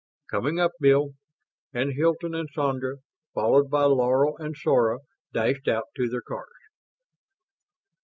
"Coming up, Bill," and Hilton and Sandra, followed by Laro and Sora, dashed out to their cars.